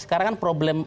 sekarang kan problem